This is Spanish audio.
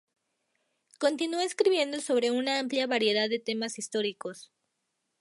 Continúa escribiendo sobre una amplia variedad de temas históricos.